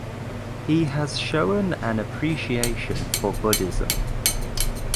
He has shown an appreciation for Buddhism.